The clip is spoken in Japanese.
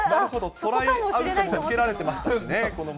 トライアウトも受けられてましたしね、この前。